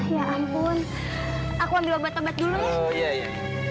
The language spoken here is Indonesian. ya ampun aku ambil obat obat dulu